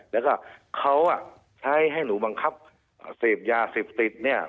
แล้วก็เขาใช้ให้หนูบังคับเสพยาเสพติดเนี่ย